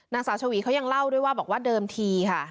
นางสาวชวีเขายังเล่าด้วยว่าบอกว่าเดิมทีค่ะ